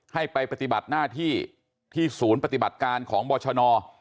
ให้ไปปฏิบัติหน้าที่ที่ศูนย์ปฏิบัติการของบรชน